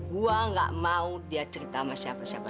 gue gak mau dia cerita sama siapa siapa